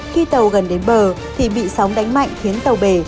khi tàu gần đến bờ thì bị sóng đánh mạnh khiến tàu bể